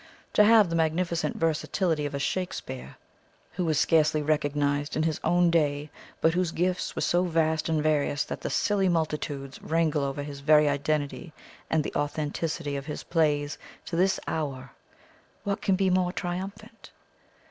To have the magnificent versatility of a Shakespeare, who was scarcely recognized in his own day, but whose gifts were so vast and various that the silly multitudes wrangle over his very identity and the authenticity of his plays to this hour what can be more triumphant?